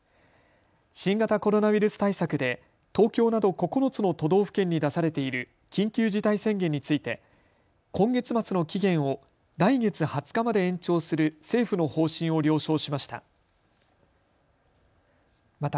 新型コロナウイルス対策で東京など９つの都道府県に出されている緊急事態宣言について今月末の期限を来月２０日まで延長する政府の方針を了承しました。